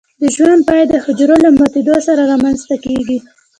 د ژوند پای د حجره له ماتیدو سره رامینځته کیږي.